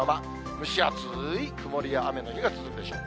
蒸し暑い曇りや雨の日が続くでしょう。